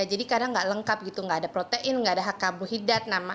jadi kadang nggak lengkap gitu nggak ada protein nggak ada hak kabuhidat